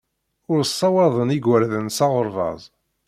Ur ssawaḍen igerdan s aɣerbaz.